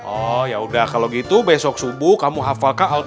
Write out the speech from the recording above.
oh ya sudah kalau gitu besok subuh kamu hafal kak